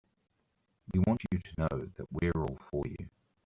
We want you to know that we're all for you.